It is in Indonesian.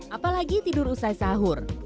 apalagi tidur usai sahur